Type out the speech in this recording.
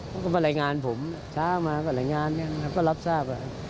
เขาก็มารายงานผมเช้ามาก็รายงานก็รับทราบ